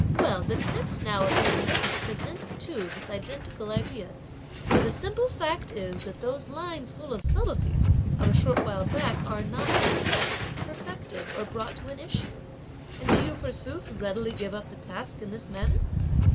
Well, the text now of this enigma presents too this identical idea, for the simple fact is that those lines full of subtleties of a short while back are not, as yet, perfected or brought to an issue, and do you forsooth readily give up the task in this manner?"